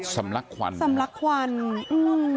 แสมลักษณ์ควันก่อนอืม